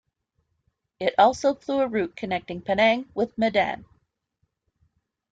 It also flew a route connecting Penang with Medan.